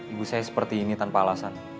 ibu saya seperti ini tanpa alasan